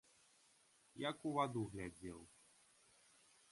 Як у ваду глядзеў!